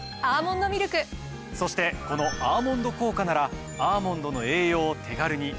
そしてこの「アーモンド効果」ならアーモンドの栄養を手軽においしく取れるんです。